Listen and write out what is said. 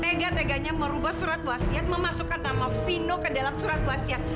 tega teganya merubah surat wasiat memasukkan nama vino ke dalam surat wasiat